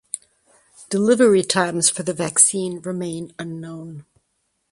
Delivery times for the vaccine remain unknown.